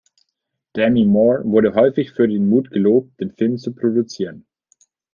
Demi Moore wurde häufig für den Mut gelobt, den Film zu produzieren.